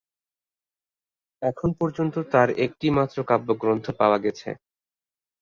এখন পর্যন্ত তার একটি মাত্র কাব্যগ্রন্থ পাওয়া গেছে।